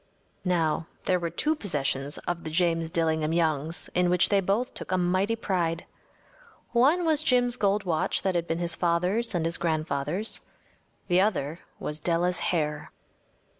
Now, there were two possessions of the James Dillingham Youngs in which they both took a mighty pride. One was Jim’s gold watch that had been his father’s and his grandfather’s. The other was Della’s hair.